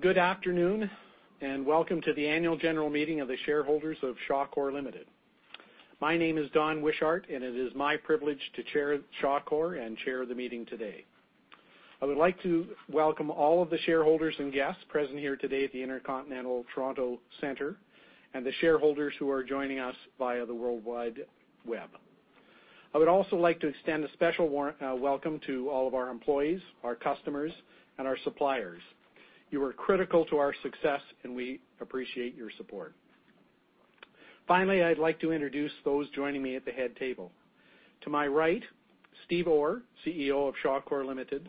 Good afternoon, and welcome to the annual general meeting of the shareholders of Shawcor Ltd. My name is Don Wishart, and it is my privilege to chair Shawcor Ltd. and chair the meeting today. I would like to welcome all of the shareholders and guests present here today at the InterContinental Toronto Centre, and the shareholders who are joining us via the World Wide Web. I would also like to extend a special welcome to all of our employees, our customers, and our suppliers. You are critical to our success, and we appreciate your support. Finally, I'd like to introduce those joining me at the head table. To my right, Steve Orr, CEO of Shawcor Ltd.,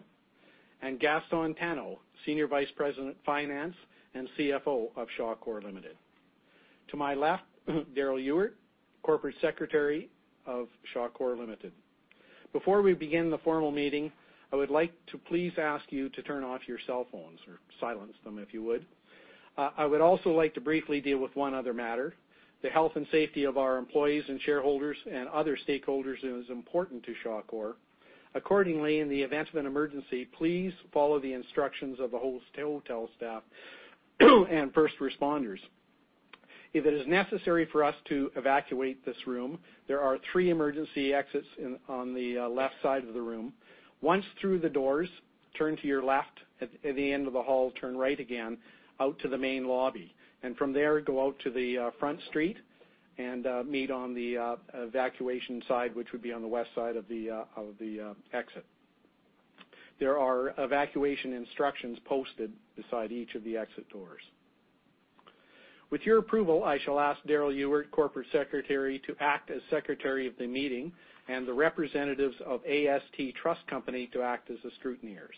and Gaston Tano, Senior Vice President Finance and CFO of Shawcor Ltd. To my left, Darrell Ewert, Corporate Secretary of Shawcor Ltd. Before we begin the formal meeting, I would like to please ask you to turn off your cell phones or silence them if you would. I would also like to briefly deal with one other matter: the health and safety of our employees and shareholders and other stakeholders is important to Shawcor. Accordingly, in the event of an emergency, please follow the instructions of the hotel staff and first responders. If it is necessary for us to evacuate this room, there are three emergency exits on the left side of the room. Once through the doors, turn to your left at the end of the hall, turn right again, out to the main lobby, and from there go out to the Front Street and meet on the evacuation side, which would be on the west side of the exit. There are evacuation instructions posted beside each of the exit doors. With your approval, I shall ask Darrell Ewert, Corporate Secretary, to act as Secretary of the Meeting, and the representatives of AST Trust Company to act as the scrutineers.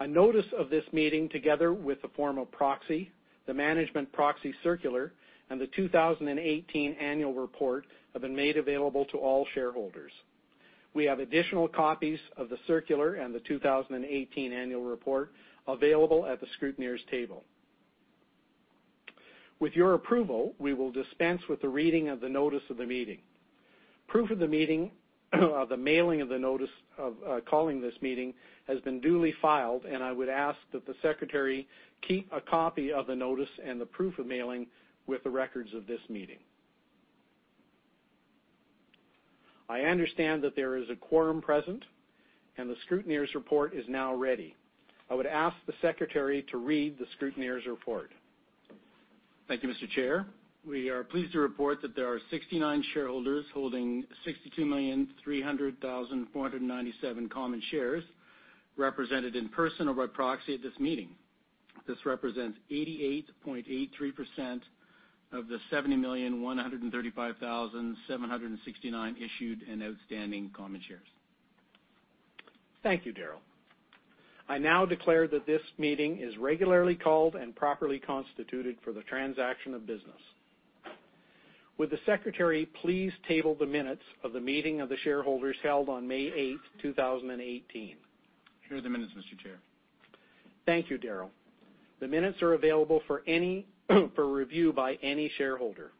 A notice of this meeting, together with a form of proxy, the Management Proxy Circular, and the 2018 Annual Report, have been made available to all shareholders. We have additional copies of the circular and the 2018 Annual Report available at the scrutineers' table. With your approval, we will dispense with the reading of the notice of the meeting. Proof of the meeting, of the mailing of the notice of calling this meeting, has been duly filed, and I would ask that the Secretary keep a copy of the notice and the proof of mailing with the records of this meeting. I understand that there is a quorum present, and the scrutineers' report is now ready. I would ask the Secretary to read the scrutineers' report. Thank you, Mr. Chair. We are pleased to report that there are 69 shareholders holding 62,300,497 common shares represented in person or by proxy at this meeting. This represents 88.83% of the 70,135,769 issued and outstanding common shares. Thank you, Darrell. I now declare that this meeting is regularly called and properly constituted for the transaction of business. Would the Secretary please table the minutes of the meeting of the shareholders held on May 8, 2018? Here are the minutes, Mr. Chair. Thank you, Darrell. The minutes are available for review by any shareholder.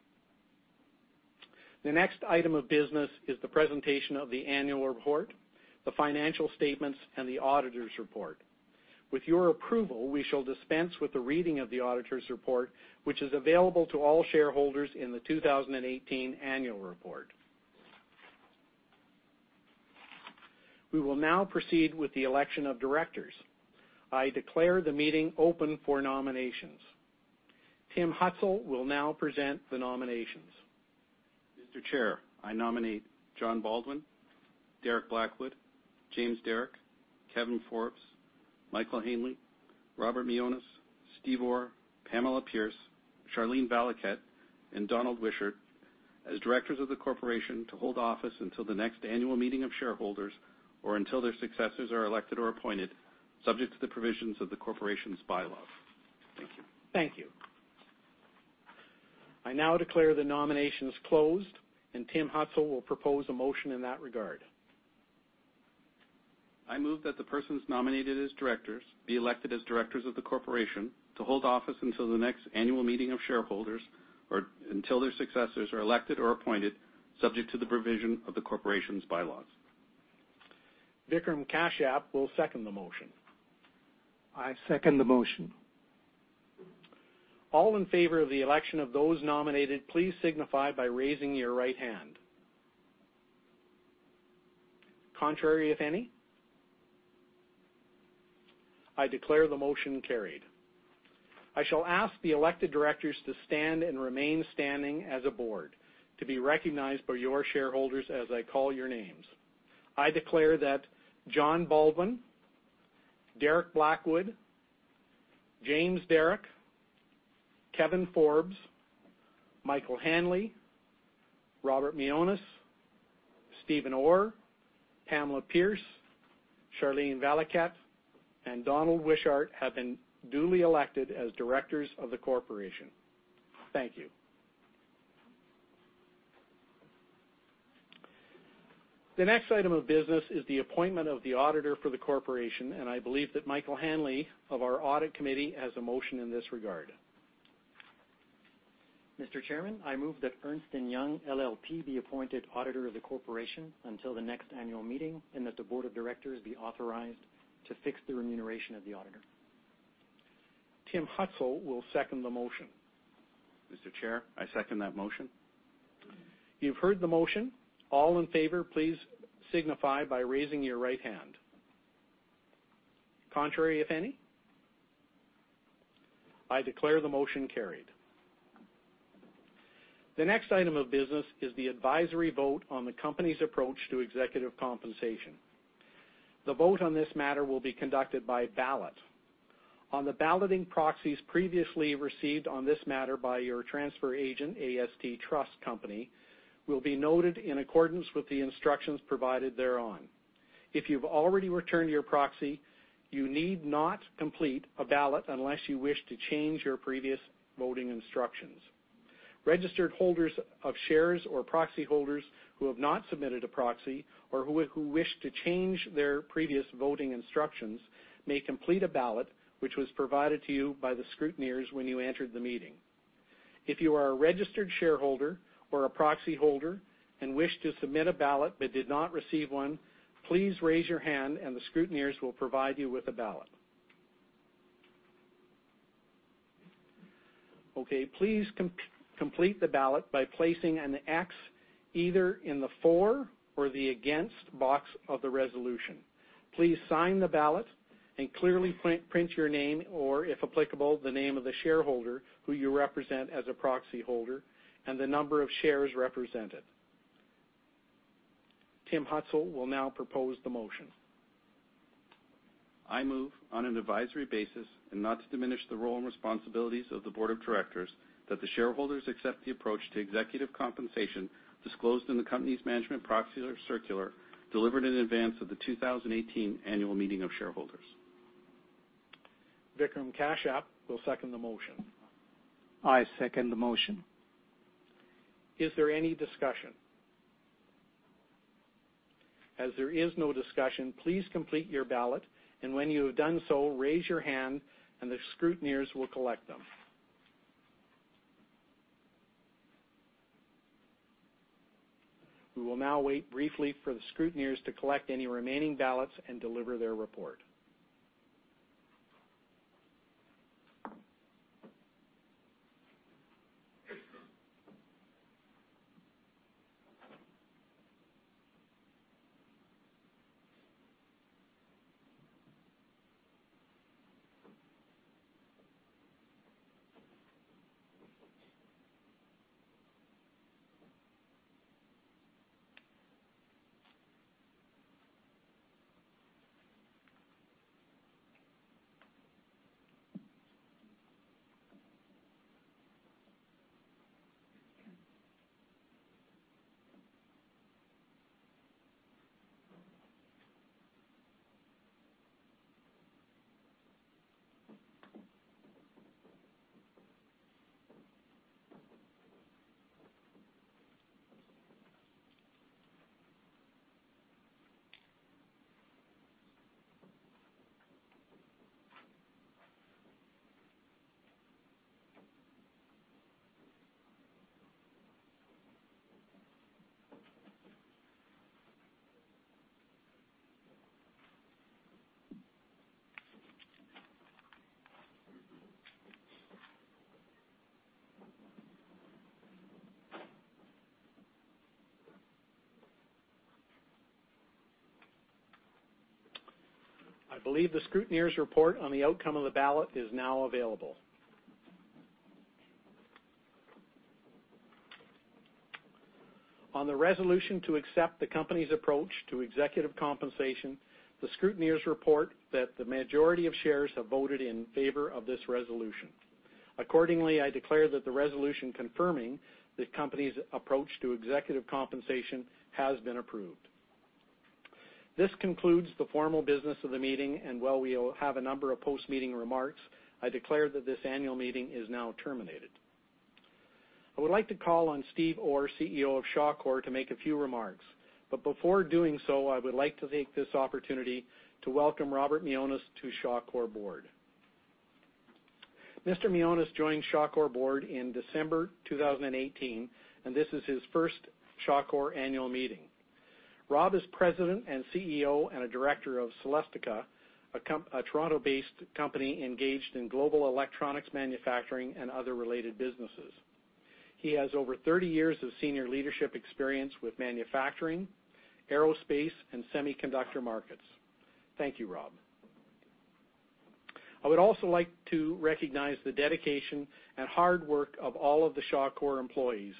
The next item of business is the presentation of the Annual Report, the Financial Statements, and the Auditor's Report. With your approval, we shall dispense with the reading of the Auditor's Report, which is available to all shareholders in the 2018 Annual Report. We will now proceed with the election of directors. I declare the meeting open for nominations. Tim Hitzel will now present the nominations. Mr. Chair, I nominate John Baldwin, Derek Blackwood, James Derrick, Kevin Forbes, Michael Hanley, Robert Mionis, Steve Orr, Pamela Pierce, Charlene Ripley, and Donald Wishart as directors of the Corporation to hold office until the next Annual Meeting of Shareholders or until their successors are elected or appointed, subject to the provisions of the Corporation's bylaws. Thank you. Thank you. I now declare the nominations closed, and Tim Hitzel will propose a motion in that regard. I move that the persons nominated as directors be elected as directors of the Corporation to hold office until the next Annual Meeting of Shareholders or until their successors are elected or appointed, subject to the provision of the Corporation's bylaws. Vinay Kashyap will second the motion. I second the motion. All in favor of the election of those nominated, please signify by raising your right hand. Contrary, if any? I declare the motion carried. I shall ask the elected directors to stand and remain standing as a board to be recognized by your shareholders as I call your names. I declare that John Baldwin, Derek Blackwood, James Derrick, Kevin Forbes, Michael Hanley, Robert Mionis, Stephen Orr, Pamela Pierce, Charlene Ripley, and Donald Wishart have been duly elected as directors of the Corporation. Thank you. The next item of business is the appointment of the auditor for the Corporation, and I believe that Michael Hanley of our audit committee has a motion in this regard. Mr. Chairman, I move that Ernst & Young LLP be appointed auditor of the Corporation until the next Annual Meeting and that the Board of Directors be authorized to fix the remuneration of the auditor. Tim Hitzel will second the motion. Mr. Chair, I second that motion. You've heard the motion. All in favor, please signify by raising your right hand. Contrary, if any? I declare the motion carried. The next item of business is the advisory vote on the company's approach to executive compensation. The vote on this matter will be conducted by ballot. On the balloting proxies previously received on this matter by your transfer agent, AST Trust Company, will be noted in accordance with the instructions provided thereon. If you've already returned your proxy, you need not complete a ballot unless you wish to change your previous voting instructions. Registered holders of shares or proxy holders who have not submitted a proxy or who wish to change their previous voting instructions may complete a ballot which was provided to you by the scrutineers when you entered the meeting. If you are a registered shareholder or a proxy holder and wish to submit a ballot but did not receive one, please raise your hand and the scrutineers will provide you with a ballot. Okay, please complete the ballot by placing an X either in the for or the against box of the resolution. Please sign the ballot and clearly print your name or, if applicable, the name of the shareholder who you represent as a proxy holder and the number of shares represented. Tim Hitzel will now propose the motion. I move, on an advisory basis and not to diminish the role and responsibilities of the Board of Directors, that the shareholders accept the approach to executive compensation disclosed in the company's Management Proxy Circular delivered in advance of the 2018 Annual Meeting of Shareholders. Vinay Kashyap will second the motion. I second the motion. Is there any discussion? As there is no discussion, please complete your ballot, and when you have done so, raise your hand and the scrutineers will collect them. We will now wait briefly for the scrutineers to collect any remaining ballots and deliver their report. I believe the scrutineers' report on the outcome of the ballot is now available. On the resolution to accept the company's approach to executive compensation, the scrutineers report that the majority of shares have voted in favor of this resolution. Accordingly, I declare that the resolution confirming the company's approach to executive compensation has been approved. This concludes the formal business of the meeting, and while we have a number of post-meeting remarks, I declare that this Annual Meeting is now terminated. I would like to call on Steve Orr, CEO of Shawcor, to make a few remarks, but before doing so, I would like to take this opportunity to welcome Robert Mionis to Shawcor Board. Mr. Mionis joined Shawcor Board in December 2018, and this is his first Shawcor Annual Meeting. Rob is President and CEO and a Director of Celestica, a Toronto-based company engaged in global electronics manufacturing and other related businesses. He has over 30 years of senior leadership experience with manufacturing, aerospace, and semiconductor markets. Thank you, Rob. I would also like to recognize the dedication and hard work of all of the Shawcor employees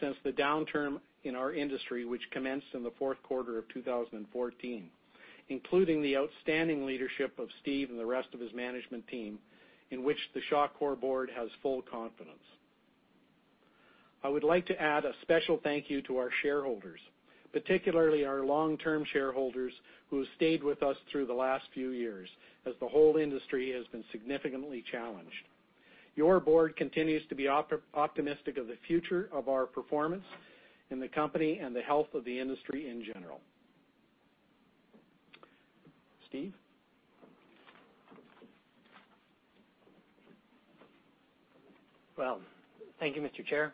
since the downturn in our industry, which commenced in the fourth quarter of 2014, including the outstanding leadership of Steve and the rest of his management team, in which the Shawcor Board has full confidence. I would like to add a special thank you to our shareholders, particularly our long-term shareholders who have stayed with us through the last few years as the whole industry has been significantly challenged. Your board continues to be optimistic of the future of our performance in the company and the health of the industry in general. Steve? Well, thank you, Mr. Chair,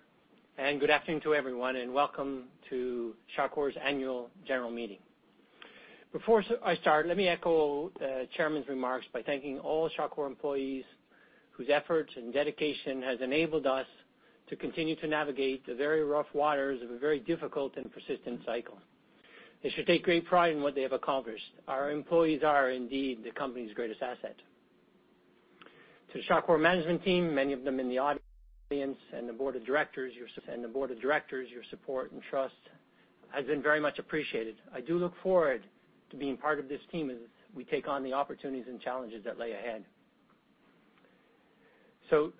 and good afternoon to everyone, and welcome to Shawcor's Annual General Meeting. Before I start, let me echo the Chairman's remarks by thanking all Shawcor employees whose efforts and dedication have enabled us to continue to navigate the very rough waters of a very difficult and persistent cycle. They should take great pride in what they have accomplished. Our employees are, indeed, the company's greatest asset. To the Shawcor Management Team, many of them in the audience, and the Board of Directors, your support, and the Board of Directors, your support and trust, has been very much appreciated. I do look forward to being part of this team as we take on the opportunities and challenges that lay ahead. So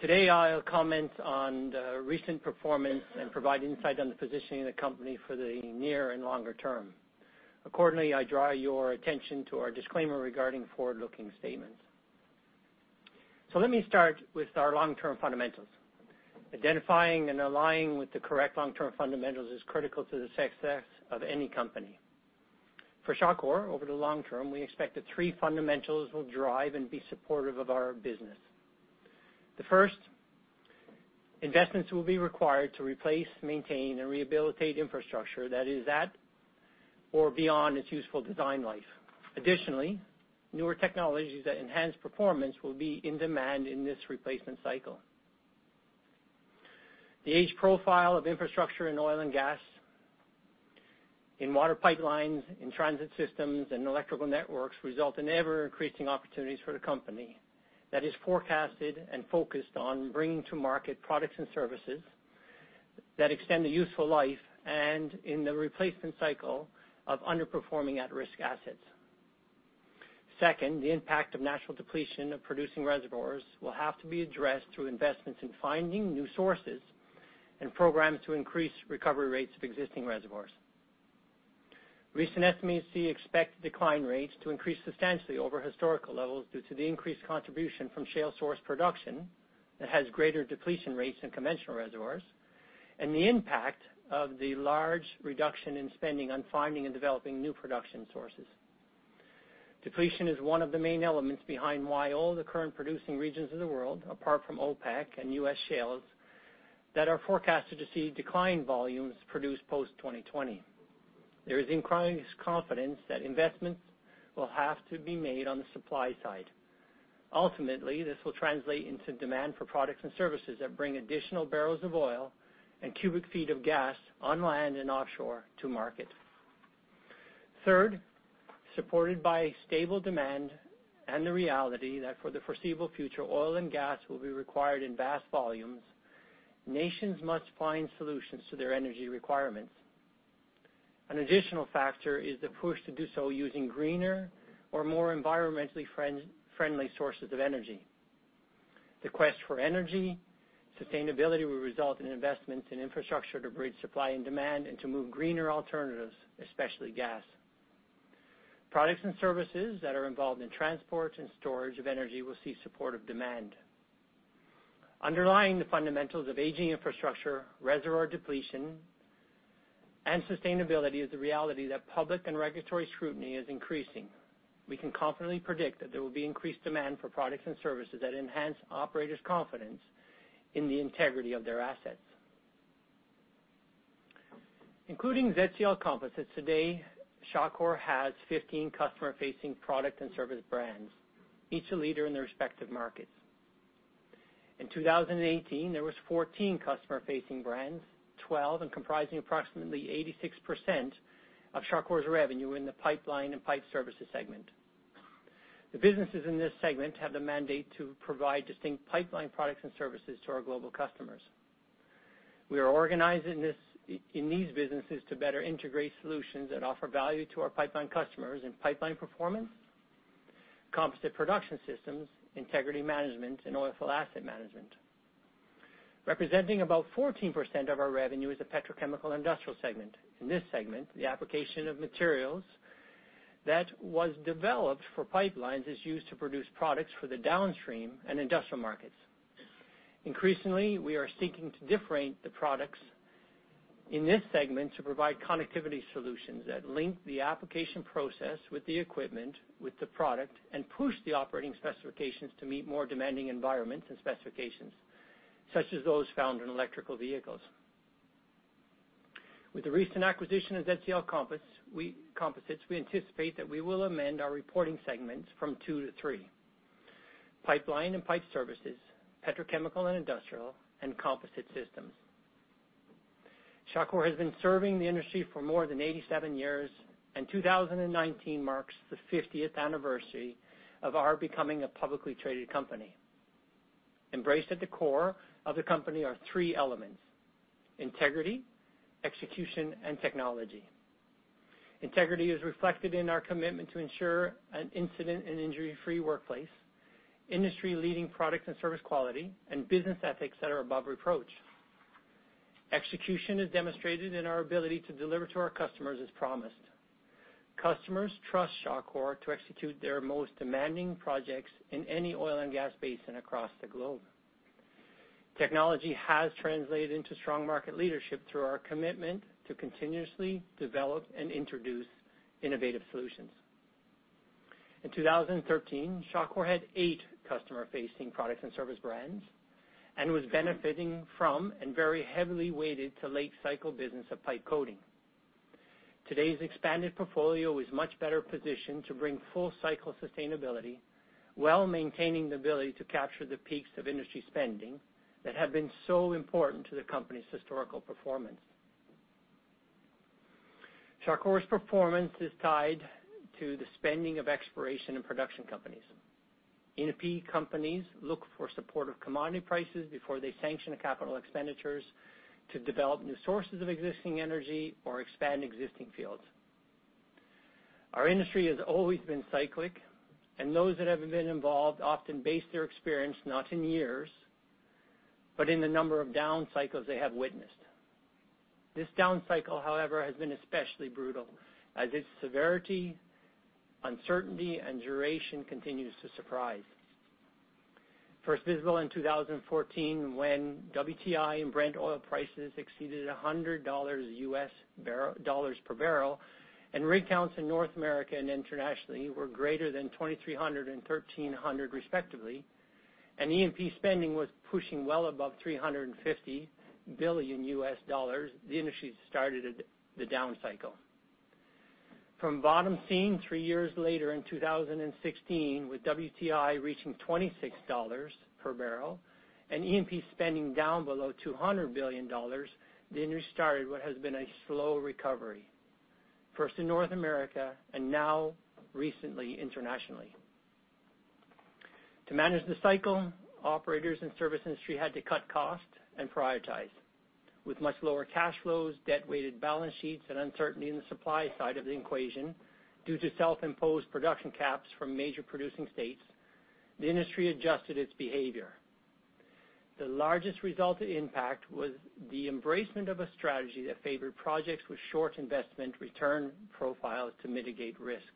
today, I'll comment on the recent performance and provide insight on the positioning of the company for the near and longer term. Accordingly, I draw your attention to our disclaimer regarding forward-looking statements. So let me start with our long-term fundamentals. Identifying and aligning with the correct long-term fundamentals is critical to the success of any company. For Shawcor, over the long term, we expect that three fundamentals will drive and be supportive of our business. The first, investments will be required to replace, maintain, and rehabilitate infrastructure that is at or beyond its useful design life. Additionally, newer technologies that enhance performance will be in demand in this replacement cycle. The age profile of infrastructure in oil and gas, in water pipelines, in transit systems, and electrical networks results in ever-increasing opportunities for the company that is forecasted and focused on bringing to market products and services that extend the useful life and in the replacement cycle of underperforming at-risk assets. Second, the impact of natural depletion of producing reservoirs will have to be addressed through investments in finding new sources and programs to increase recovery rates of existing reservoirs. Recent estimates see expected decline rates to increase substantially over historical levels due to the increased contribution from shale source production that has greater depletion rates than conventional reservoirs and the impact of the large reduction in spending on finding and developing new production sources. Depletion is one of the main elements behind why all the current producing regions of the world, apart from OPEC and U.S. shales, that are forecasted to see decline volumes produced post-2020. There is increased confidence that investments will have to be made on the supply side. Ultimately, this will translate into demand for products and services that bring additional barrels of oil and cubic feet of gas on land and offshore to market. Third, supported by stable demand and the reality that for the foreseeable future, oil and gas will be required in vast volumes, nations must find solutions to their energy requirements. An additional factor is the push to do so using greener or more environmentally friendly sources of energy. The quest for energy sustainability will result in investments in infrastructure to bridge supply and demand and to move greener alternatives, especially gas. Products and services that are involved in transport and storage of energy will see supportive demand. Underlying the fundamentals of aging infrastructure, reservoir depletion, and sustainability is the reality that public and regulatory scrutiny is increasing. We can confidently predict that there will be increased demand for products and services that enhance operators' confidence in the integrity of their assets. Including ZCL Composites, today, Shawcor has 15 customer-facing product and service brands, each a leader in their respective markets. In 2018, there were 14 customer-facing brands, 12, and comprising approximately 86% of Shawcor's revenue in the pipeline and pipe services segment. The businesses in this segment have the mandate to provide distinct pipeline products and services to our global customers. We are organized in these businesses to better integrate solutions that offer value to our pipeline customers in pipeline performance, composite production systems, integrity management, and oilfield asset management. Representing about 14% of our revenue is the petrochemical industrial segment. In this segment, the application of materials that was developed for pipelines is used to produce products for the downstream and industrial markets. Increasingly, we are seeking to differentiate the products in this segment to provide connectivity solutions that link the application process with the equipment, with the product, and push the operating specifications to meet more demanding environments and specifications, such as those found in electric vehicles. With the recent acquisition of ZCL Composites, we anticipate that we will amend our reporting segments from two to three: pipeline and pipe services, petrochemical and industrial, and composite systems. Shawcor has been serving the industry for more than 87 years, and 2019 marks the 50th anniversary of our becoming a publicly traded company. Embraced at the core of the company are three elements: integrity, execution, and technology. Integrity is reflected in our commitment to ensure an incident and injury-free workplace, industry-leading product and service quality, and business ethics that are above reproach. Execution is demonstrated in our ability to deliver to our customers as promised. Customers trust Shawcor to execute their most demanding projects in any oil and gas basin across the globe. Technology has translated into strong market leadership through our commitment to continuously develop and introduce innovative solutions. In 2013, Shawcor had eight customer-facing product and service brands and was benefiting from and very heavily weighted to late-cycle business of pipe coating. Today's expanded portfolio is much better positioned to bring full-cycle sustainability, while maintaining the ability to capture the peaks of industry spending that have been so important to the company's historical performance. Shawcor's performance is tied to the spending of exploration and production companies. E&P companies look for supportive commodity prices before they sanction capital expenditures to develop new sources of existing energy or expand existing fields. Our industry has always been cyclic, and those that have been involved often base their experience not in years, but in the number of down cycles they have witnessed. This down cycle, however, has been especially brutal as its severity, uncertainty, and duration continue to surprise. First visible in 2014 when WTI and Brent oil prices exceeded $100 U.S. dollars per barrel, and rig counts in North America and internationally were greater than 2,300 and 1,300 respectively, and E&P spending was pushing well above $350 billion, the industry started the down cycle. From bottom seen, three years later in 2016, with WTI reaching $26 per barrel and E&P spending down below $200 billion, the industry started what has been a slow recovery, first in North America and now recently internationally. To manage the cycle, operators and service industry had to cut costs and prioritize. With much lower cash flows, debt-weighted balance sheets, and uncertainty in the supply side of the equation due to self-imposed production caps from major producing states, the industry adjusted its behavior. The largest resultant impact was the embracement of a strategy that favored projects with short investment return profiles to mitigate risk.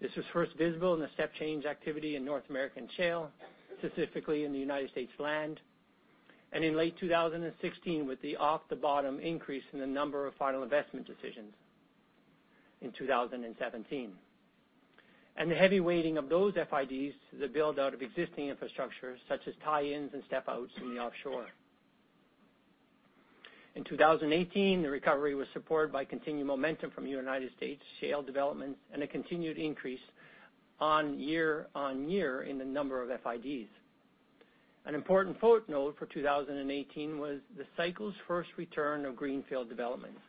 This was first visible in the step change activity in North American shale, specifically in the United States land, and in late 2016 with the off-the-bottom increase in the number of final investment decisions in 2017, and the heavy weighting of those FIDs to the build-out of existing infrastructure such as tie-ins and step-outs from the offshore. In 2018, the recovery was supported by continued momentum from United States shale developments and a continued increase year-on-year in the number of FIDs. An important footnote for 2018 was the cycle's first return of greenfield developments.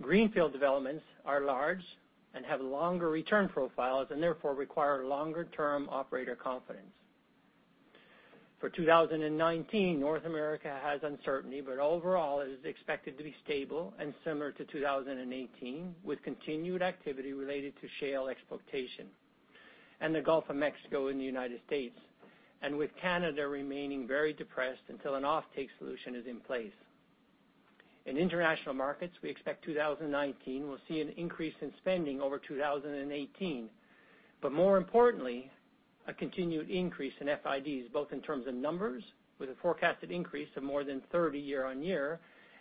Greenfield developments are large and have longer return profiles and therefore require longer-term operator confidence. For 2019, North America has uncertainty, but overall, it is expected to be stable and similar to 2018 with continued activity related to shale exploitation and the Gulf of Mexico in the United States, and with Canada remaining very depressed until an off-take solution is in place. In international markets, we expect 2019 will see an increase in spending over 2018, but more importantly, a continued increase in FIDs both in terms of numbers, with a forecasted increase of more than 30 year-on-year,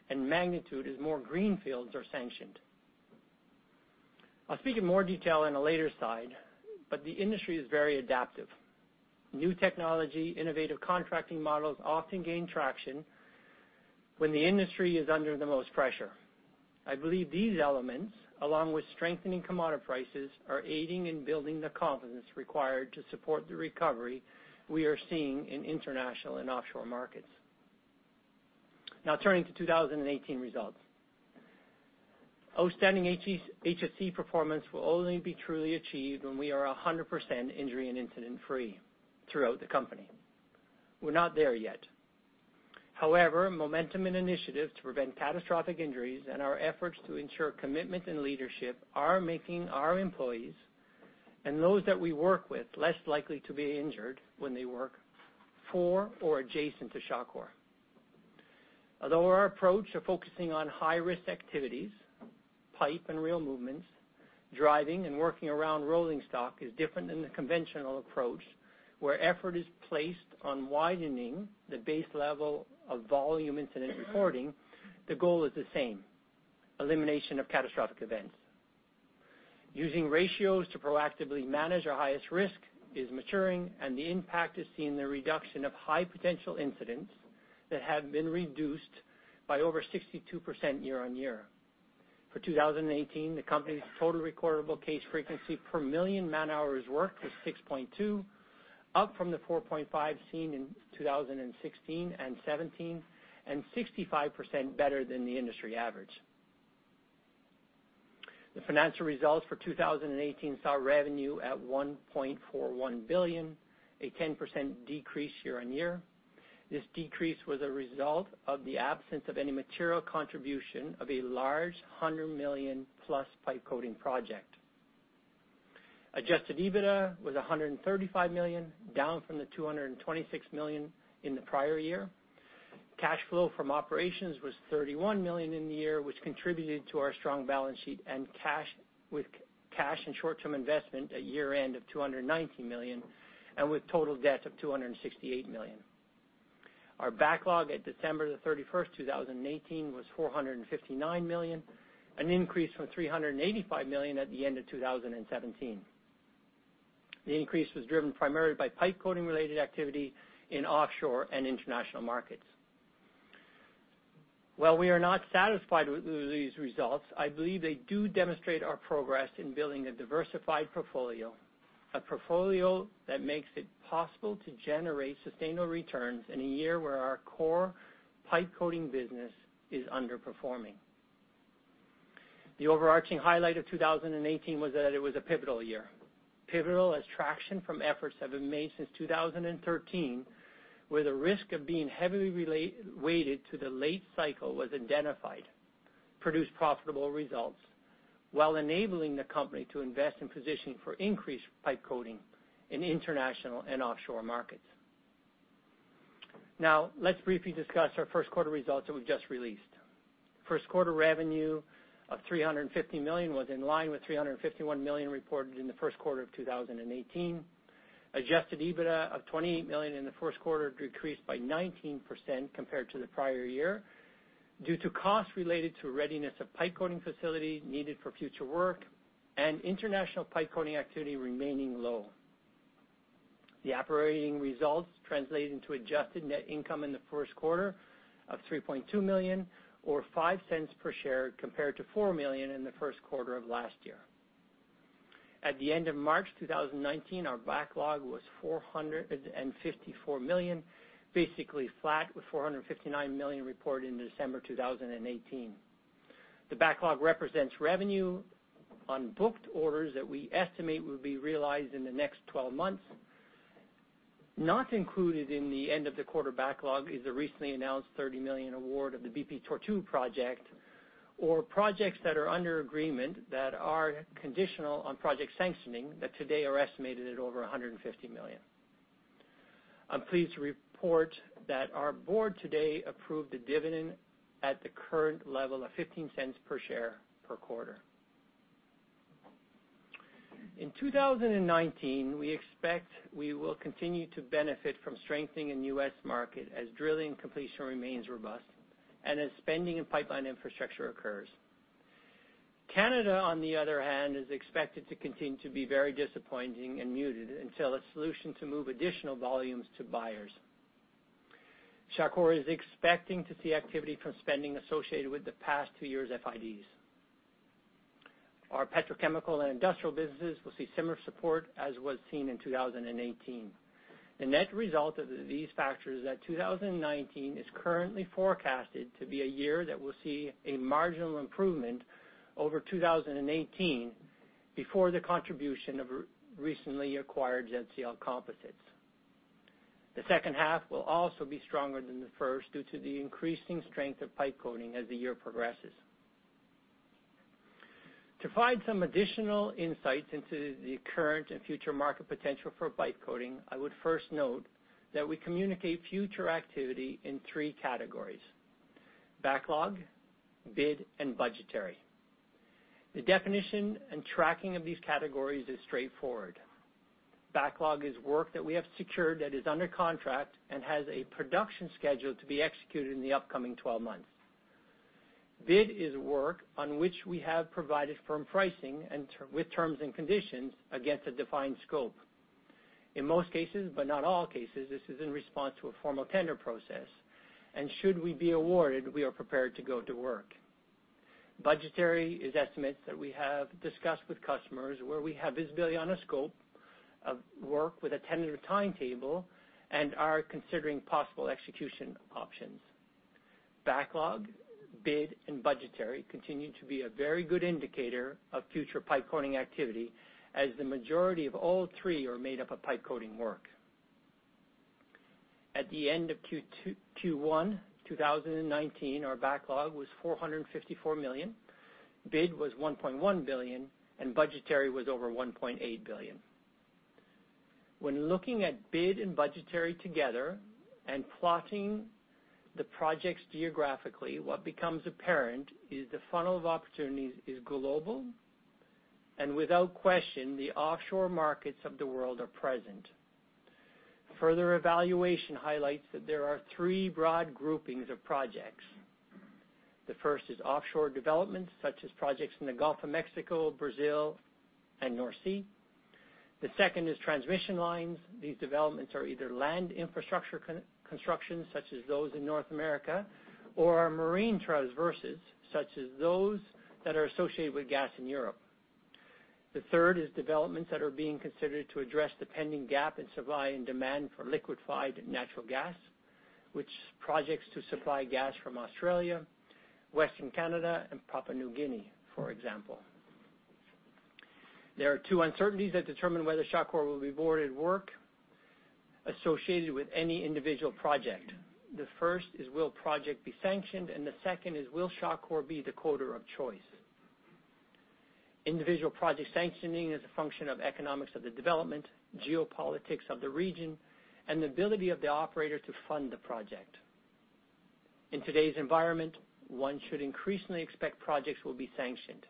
and magnitude as more greenfields are sanctioned. I'll speak in more detail on a later slide, but the industry is very adaptive. New technology, innovative contracting models often gain traction when the industry is under the most pressure. I believe these elements, along with strengthening commodity prices, are aiding in building the confidence required to support the recovery we are seeing in international and offshore markets. Now, turning to 2018 results, outstanding HSE performance will only be truly achieved when we are 100% injury and incident-free throughout the company. We're not there yet. However, momentum and initiatives to prevent catastrophic injuries and our efforts to ensure commitment and leadership are making our employees and those that we work with less likely to be injured when they work for or adjacent to Shawcor. Although our approach of focusing on high-risk activities, pipe and rail movements, driving, and working around rolling stock is different than the conventional approach where effort is placed on widening the base level of volume incident reporting, the goal is the same: elimination of catastrophic events. Using ratios to proactively manage our highest risk is maturing, and the impact is seen in the reduction of high-potential incidents that have been reduced by over 62% year-on-year. For 2018, the company's total recordable case frequency per million man-hours worked was 6.2, up from the 4.5 seen in 2016 and 2017, and 65% better than the industry average. The financial results for 2018 saw revenue at $1.41 billion, a 10% decrease year-on-year. This decrease was a result of the absence of any material contribution of a large $100 million+ pipe coating project. Adjusted EBITDA was $135 million, down from the $226 million in the prior year. Cash flow from operations was $31 million in the year, which contributed to our strong balance sheet and cash and short-term investment at year-end of $219 million, and with total debt of $268 million. Our backlog at December 31, 2018, was $459 million, an increase from $385 million at the end of 2017. The increase was driven primarily by pipe coating-related activity in offshore and international markets. While we are not satisfied with these results, I believe they do demonstrate our progress in building a diversified portfolio, a portfolio that makes it possible to generate sustainable returns in a year where our core pipe coating business is underperforming. The overarching highlight of 2018 was that it was a pivotal year, pivotal as traction from efforts have been made since 2013, where the risk of being heavily weighted to the late cycle was identified, produced profitable results, while enabling the company to invest in positioning for increased pipe coating in international and offshore markets. Now, let's briefly discuss our first quarter results that we've just released. First quarter revenue of 350 million was in line with 351 million reported in the first quarter of 2018. Adjusted EBITDA of $28 million in the first quarter decreased by 19% compared to the prior year due to costs related to readiness of pipe coating facility needed for future work and international pipe coating activity remaining low. The operating results translated into adjusted net income in the first quarter of $3.2 million, or $0.05 per share compared to $4 million in the first quarter of last year. At the end of March 2019, our backlog was $454 million, basically flat with $459 million reported in December 2018. The backlog represents revenue on booked orders that we estimate will be realized in the next 12 months. Not included in the end-of-the-quarter backlog is the recently announced $30 million award of the BP Tortue project or projects that are under agreement that are conditional on project sanctioning that today are estimated at over $150 million. I'm pleased to report that our board today approved the dividend at the current level of 0.15 per share per quarter. In 2019, we expect we will continue to benefit from strengthening in U.S. market as drilling and completion remains robust and as spending in pipeline infrastructure occurs. Canada, on the other hand, is expected to continue to be very disappointing and muted and lacking a solution to move additional volumes to buyers. Shawcor is expecting to see activity from spending associated with the past two years' FIDs. Our petrochemical and industrial businesses will see similar support as was seen in 2018. The net result of these factors is that 2019 is currently forecasted to be a year that will see a marginal improvement over 2018 before the contribution of recently acquired ZCL Composites. The second half will also be stronger than the first due to the increasing strength of pipe coating as the year progresses. To provide some additional insights into the current and future market potential for pipe coating, I would first note that we communicate future activity in three categories: backlog, bid, and budgetary. The definition and tracking of these categories is straightforward. Backlog is work that we have secured that is under contract and has a production schedule to be executed in the upcoming 12 months. Bid is work on which we have provided firm pricing with terms and conditions against a defined scope. In most cases, but not all cases, this is in response to a formal tender process, and should we be awarded, we are prepared to go to work. Budgetary estimates that we have discussed with customers where we have visibility on a scope of work with a tentative timetable and are considering possible execution options. Backlog, bid, and budgetary continue to be a very good indicator of future pipe coating activity as the majority of all three are made up of pipe coating work. At the end of Q1 2019, our backlog was $454 million, bid was $1.1 billion, and budgetary was over $1.8 billion. When looking at bid and budgetary together and plotting the projects geographically, what becomes apparent is the funnel of opportunities is global, and without question, the offshore markets of the world are present. Further evaluation highlights that there are three broad groupings of projects. The first is offshore developments such as projects in the Gulf of Mexico, Brazil, and North Sea. The second is transmission lines. These developments are either land infrastructure constructions such as those in North America or are marine traverses such as those that are associated with gas in Europe. The third is developments that are being considered to address the pending gap in supply and demand for liquefied natural gas, which is projects to supply gas from Australia, Western Canada, and Papua New Guinea, for example. There are two uncertainties that determine whether Shawcor will be awarded work associated with any individual project. The first is, will the project be sanctioned, and the second is, will Shawcor be the coater of choice? Individual project sanctioning is a function of economics of the development, geopolitics of the region, and the ability of the operator to fund the project. In today's environment, one should increasingly expect projects will be sanctioned.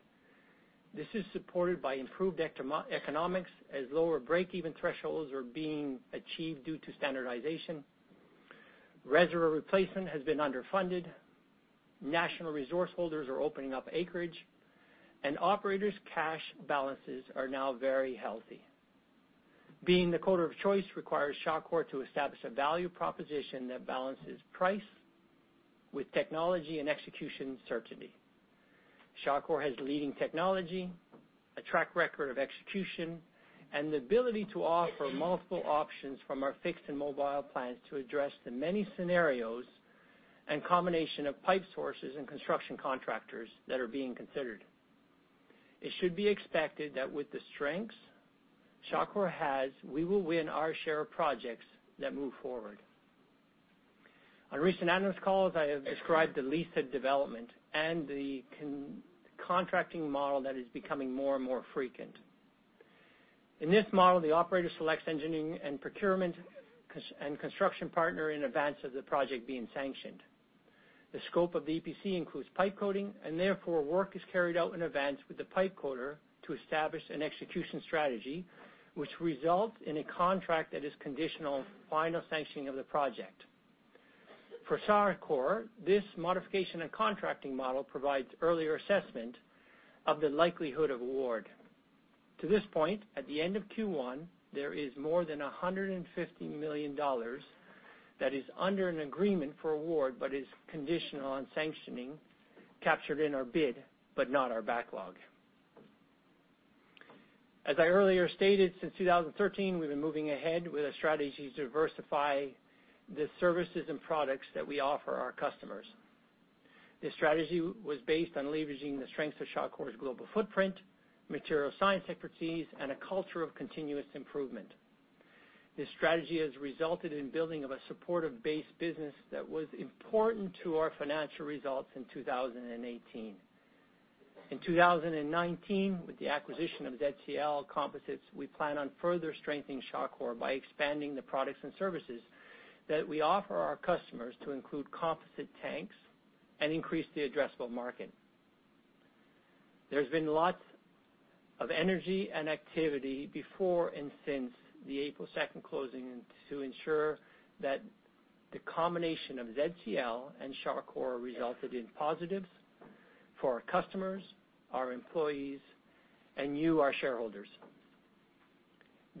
This is supported by improved economics as lower break-even thresholds are being achieved due to standardization, reservoir replacement has been underfunded, national resource holders are opening up acreage, and operators' cash balances are now very healthy. Being the coater of choice requires Shawcor to establish a value proposition that balances price with technology and execution certainty. Shawcor has leading technology, a track record of execution, and the ability to offer multiple options from our fixed and mobile plans to address the many scenarios and combination of pipe sources and construction contractors that are being considered. It should be expected that with the strengths Shawcor has, we will win our share of projects that move forward. On recent analyst calls, I have described the Liza development and the contracting model that is becoming more and more frequent. In this model, the operator selects engineering and procurement and construction partner in advance of the project being sanctioned. The scope of the EPC includes pipe coating, and therefore, work is carried out in advance with the pipe coater to establish an execution strategy, which results in a contract that is conditional on final sanctioning of the project. For Shawcor, this modification and contracting model provides earlier assessment of the likelihood of award. To this point, at the end of Q1, there is more than $150 million that is under an agreement for award but is conditional on sanctioning captured in our bid, but not our backlog. As I earlier stated, since 2013, we've been moving ahead with a strategy to diversify the services and products that we offer our customers. This strategy was based on leveraging the strengths of Shawcor's global footprint, material science expertise, and a culture of continuous improvement. This strategy has resulted in building a supportive-based business that was important to our financial results in 2018. In 2019, with the acquisition of ZCL Composites, we plan on further strengthening Shawcor by expanding the products and services that we offer our customers to include composite tanks and increase the addressable market. There's been lots of energy and activity before and since the April 2nd closing to ensure that the combination of ZCL and Shawcor resulted in positives for our customers, our employees, and you, our shareholders.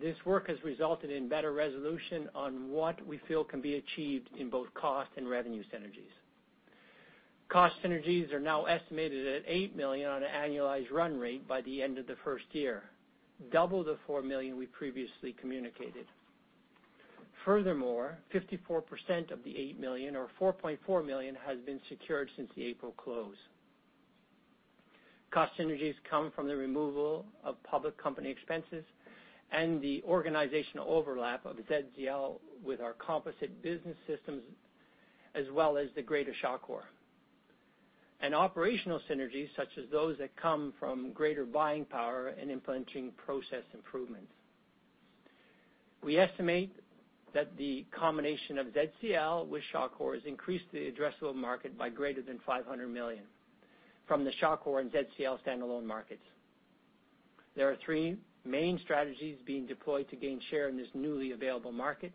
This work has resulted in better resolution on what we feel can be achieved in both cost and revenue synergies. Cost synergies are now estimated at $8 million on an annualized run rate by the end of the first year, double the $4 million we previously communicated. Furthermore, 54% of the $8 million or $4.4 million has been secured since the April close. Cost synergies come from the removal of public company expenses and the organizational overlap of ZCL with our composite business systems, as well as the greater Shawcor, and operational synergies such as those that come from greater buying power and implementing process improvements. We estimate that the combination of ZCL with Shawcor has increased the addressable market by greater than $500 million from the Shawcor and ZCL standalone markets. There are three main strategies being deployed to gain share in this newly available market.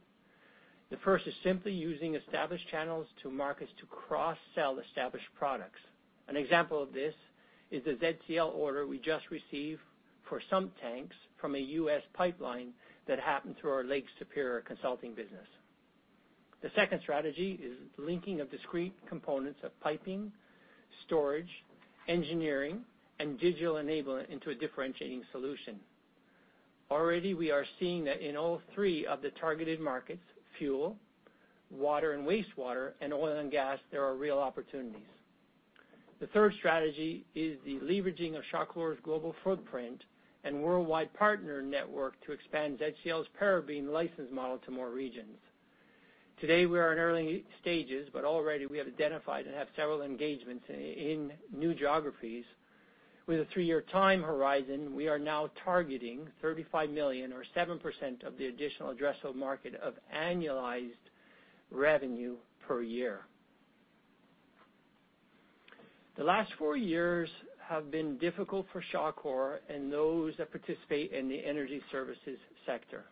The first is simply using established channels to markets to cross-sell established products. An example of this is the ZCL order we just received for some tanks from a U.S. pipeline that happened through our Lake Superior Consulting business. The second strategy is linking of discrete components of piping, storage, engineering, and digital enablement into a differentiating solution. Already, we are seeing that in all three of the targeted markets, fuel, water, and wastewater, and oil and gas, there are real opportunities. The third strategy is the leveraging of Shawcor's global footprint and worldwide partner network to expand ZCL's Parabeam license model to more regions. Today, we are in early stages, but already we have identified and have several engagements in new geographies. With a three-year time horizon, we are now targeting 35 million or 7% of the additional addressable market of annualized revenue per year. The last four years have been difficult for Shawcor and those that participate in the energy services sector.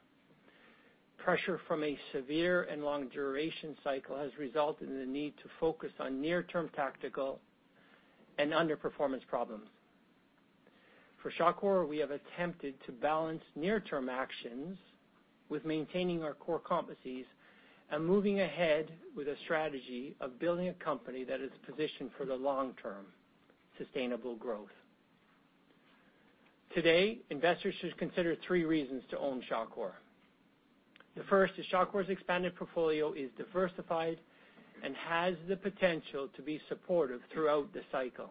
Pressure from a severe and long-duration cycle has resulted in the need to focus on near-term tactical and underperformance problems. For Shawcor, we have attempted to balance near-term actions with maintaining our core competencies and moving ahead with a strategy of building a company that is positioned for the long-term sustainable growth. Today, investors should consider three reasons to own Shawcor. The first is Shawcor's expanded portfolio is diversified and has the potential to be supportive throughout the cycle.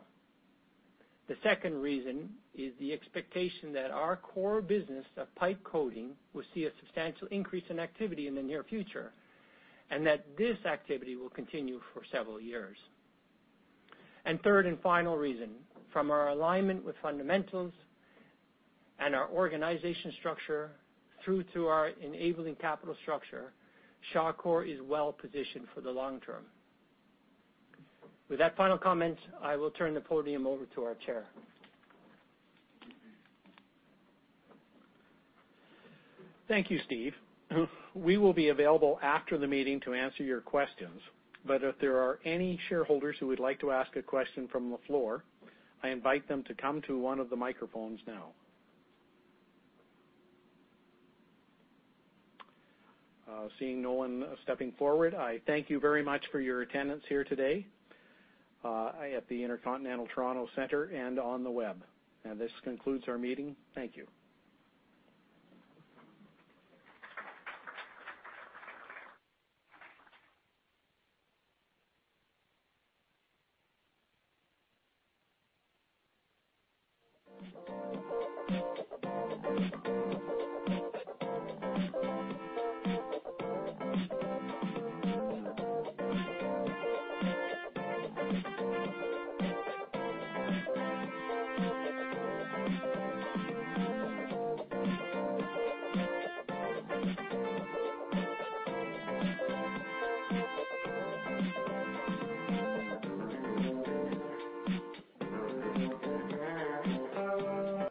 The second reason is the expectation that our core business of Pipe Coating will see a substantial increase in activity in the near future and that this activity will continue for several years. Third and final reason, from our alignment with fundamentals and our organization structure through to our enabling capital structure, Shawcor is well-positioned for the long term. With that final comment, I will turn the podium over to our chair. Thank you, Steve. We will be available after the meeting to answer your questions, but if there are any shareholders who would like to ask a question from the floor, I invite them to come to one of the microphones now. Seeing no one stepping forward, I thank you very much for your attendance here today at the InterContinental Toronto Centre and on the web. This concludes our meeting. Thank you.